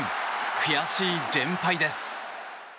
悔しい連敗です。